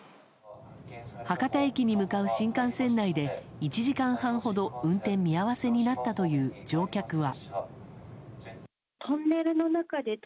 博多駅に向かう新幹線内で１時間半ほど運転見合わせになったという乗客は。